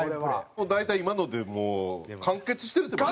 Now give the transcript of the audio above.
大体今のでもう完結してる。